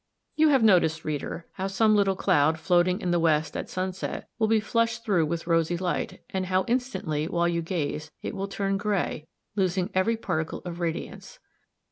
You have noticed, reader, how some little cloud, floating in the west at sunset, will be flushed through with rosy light, and how, instantly, while you gaze, it will turn gray, losing every particle of radiance.